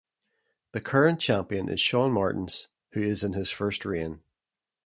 The current champion is Shaun Martens who is in his first reign.